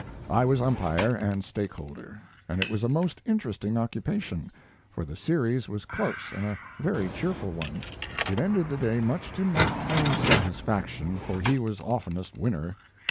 I was umpire and stakeholder, and it was a most interesting occupation, for the series was close and a very cheerful one. It ended the day much to Mark Twain's satisfaction, for he was oftenest winner.